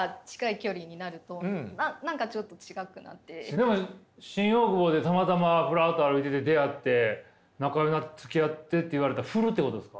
でも新大久保でたまたまふらっと歩いてて出会って仲よくなって「つきあって」って言われたら振るってことですか？